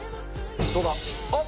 どうだ？